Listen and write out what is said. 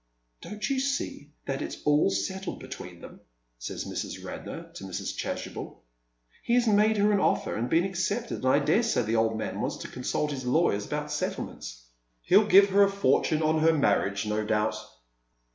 " Don't you see that it's all settled between them ?" says Mrs, Radnor to Mrs. Chasubel. " He has made her an offer and been accepted, and I dare say the old man wants to consult his lawyers about settlements. He'll give her a fortune on her marriage, no doubt."